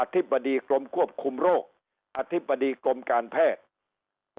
ธิบดีกรมควบคุมโรคอธิบดีกรมการแพทย์